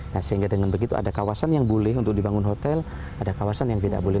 nah sehingga dengan begitu ada kawasan yang boleh untuk dibangun hotel ada kawasan yang tidak boleh